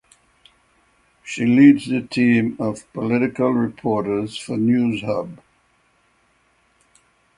She leads the team of political reporters for "Newshub".